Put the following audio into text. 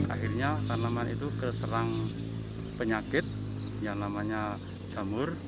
akhirnya tanaman itu terserang penyakit yang namanya jamur